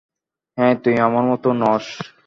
হ্যাঁ, তুই আমার মতো নস।